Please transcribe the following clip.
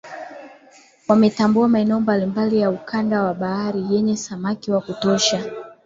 Wametambua maeneo mbalimbali ya ukanda wa bahari yenye samaki wa kutosha